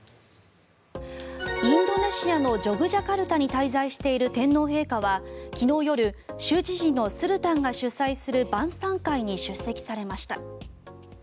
インドネシアのジョクジャカルタに滞在している天皇陛下は昨日夜州知事のスルタンが主催する晩さん会に出席されました。